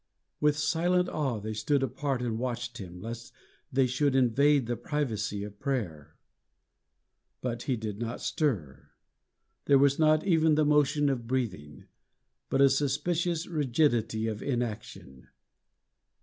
With silent awe, they stood apart and watched him, lest they should invade the privacy of prayer. But he did not stir; there was not even the motion of breathing, but a suspicious rigidity of inaction.